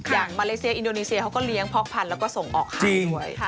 มาเลเซียอินโดนีเซียเขาก็เลี้ยงพอกพันธุ์แล้วก็ส่งออกให้ด้วย